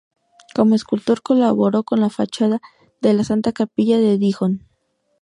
Como escultor colaboró con la fachada de la Santa Capilla de Dijon.